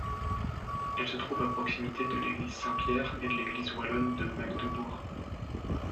Elle se trouve à proximité de l'église Saint-Pierre et de l'église wallonne de Magdebourg.